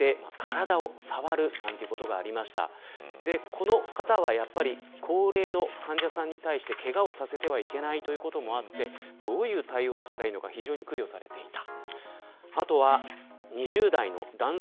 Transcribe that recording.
この方は高齢の患者さんに対してけがをさせてはいけないということもあってどういう対応をしたらいいのか非常に苦慮されていた。